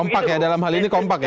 tampak ya dalam hal ini kompak ya